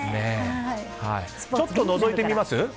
ちょっとのぞいてみます？